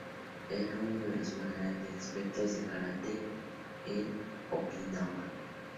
Era uno de los más grandes expertos de karate en Okinawa.